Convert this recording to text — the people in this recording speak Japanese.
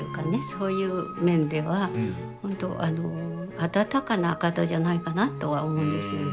そういう面では本当あたたかな方じゃないかなとは思うんですよね。